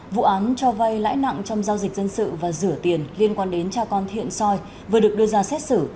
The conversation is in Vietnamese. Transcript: vụ án cho vay lãi nặng trong giao dịch dân sự và rửa tiền liên quan đến cha con thiện soi vừa được đưa ra xét xử